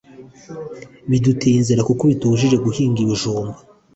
biduteye inzara kuko batubujije guhinga ibijumba